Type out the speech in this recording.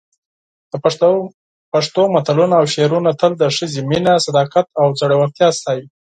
د پښتو متلونه او شعرونه تل د ښځې مینه، صداقت او زړورتیا ستایي.